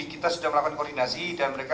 kita sudah melakukan koordinasi dan mereka